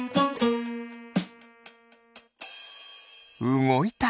うごいた。